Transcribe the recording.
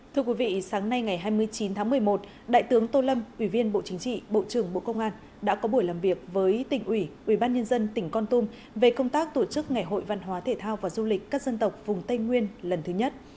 thưa quý vị sáng nay ngày hai mươi chín tháng một mươi một đại tướng tô lâm ủy viên bộ chính trị bộ trưởng bộ công an đã có buổi làm việc với tỉnh ủy ubnd tỉnh con tum về công tác tổ chức ngày hội văn hóa thể thao và du lịch các dân tộc vùng tây nguyên lần thứ nhất